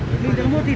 có thể nhân kiểu bị ôi